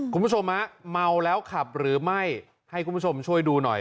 คุณผู้ชมฮะเมาแล้วขับหรือไม่ให้คุณผู้ชมช่วยดูหน่อย